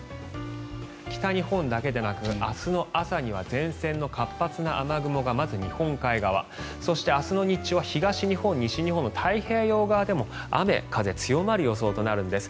北日本だけでなく明日の朝には前線の活発な雨雲がまず日本海側そして明日の日中は東日本、西日本の太平洋側でも雨風強まる予想となるんです。